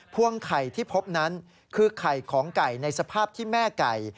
พวงไข่ที่พบนั้นคือไข่ของไก่ในสภาพที่แม่ไก่